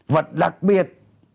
và đặc biệt